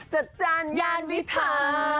จะจ่านยานวิภา